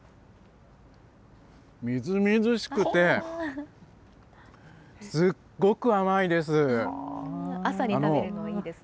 みずみずしくて、すっごく甘いです。